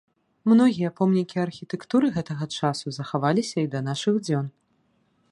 Многія помнікі архітэктуры гэтага часу захаваліся і да нашых дзён.